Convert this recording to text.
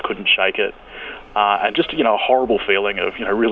ketika keadaan keadaan keadaan keadaan keadaan keadaan